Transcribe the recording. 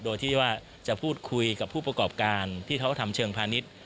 โดยที่ว่าจะพูดคุยกับผู้ประกอบการที่เขาทำเชิงพาณิชย์